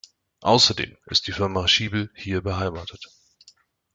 Außerdem ist die Firma Schiebel hier beheimatet.